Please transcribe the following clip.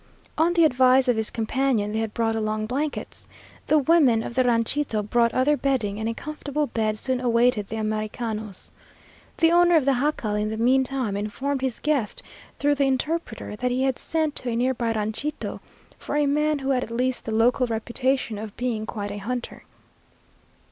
On the advice of his companion they had brought along blankets. The women of the ranchito brought other bedding, and a comfortable bed soon awaited the Americanos. The owner of the jacal in the mean time informed his guest through the interpreter that he had sent to a near by ranchito for a man who had at least the local reputation of being quite a hunter.